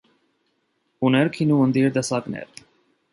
Ուներ գինու ընտիր տեսակներ։